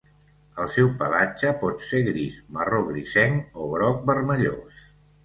El seu pelatge pot ser gris, marró grisenc o groc vermellós.